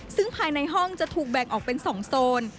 ซึ่งภายในห้องจะถูกแบ่งออกเป็น๒โซน